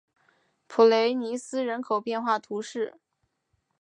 普雷尼斯人口变化图示